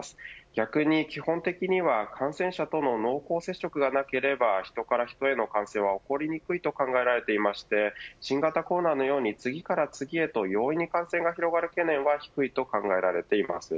逆に基本的には感染者との濃厚接触がなければ人から人への感染は起こりにくいと考えられていまして新型コロナのように次から次へと容易に感染が広がる懸念は低いと考えられています。